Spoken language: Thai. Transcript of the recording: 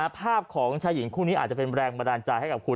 ภาพของชายหญิงคู่นี้อาจจะเป็นแรงบันดาลใจให้กับคุณ